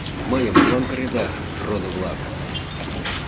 — Мыйым молан кыреда, родо-влак!